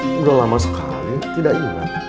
sudah lama sekali tidak ingat